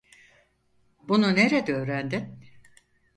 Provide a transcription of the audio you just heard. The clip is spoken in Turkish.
Bunu nerede öğrendin?